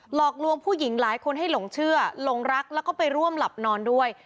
หลอกลวงผู้หญิงหลายคนให้หลงเชื่อหลงรักแล้วก็ไปร่วมหลับนอนด้วย